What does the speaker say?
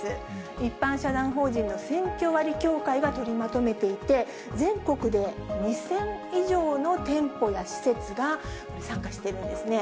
一般社団法人の選挙割協会が取りまとめていて、全国で２０００以上の店舗や施設が参加しているんですね。